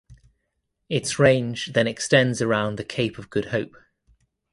Its range then extends around the Cape of Good Hope.